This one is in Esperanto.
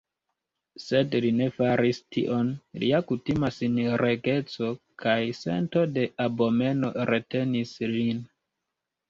Sed li ne faris tion; lia kutima sinregeco kaj sento de abomeno retenis lin.